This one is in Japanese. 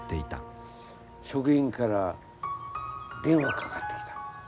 職員から電話かかってきた。